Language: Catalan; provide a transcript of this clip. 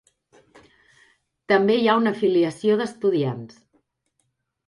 També hi ha una afiliació d'estudiants.